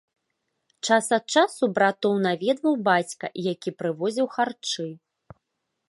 Час ад часу братоў наведваў бацька, які прывозіў харчы.